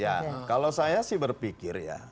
ya kalau saya sih berpikir ya